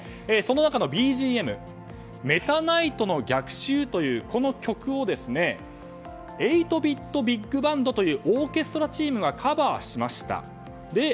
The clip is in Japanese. その中のＢＧＭ「メタナイトの逆襲」というこの曲をエイトビッド・ビッグバンドというオーケストラチームがカバーしました。